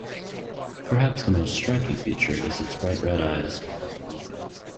Perhaps the most striking feature is its bright red eyes.